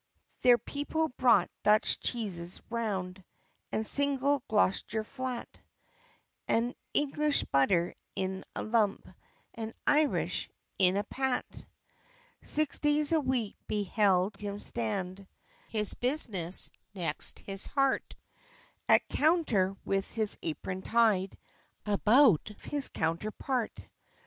There people bought Dutch cheeses round, And single Glo'ster flat, And English butter in a lump, And Irish in a pat. Six days a week beheld him stand, His business next his heart, At counter, with his apron tied About his _counter part.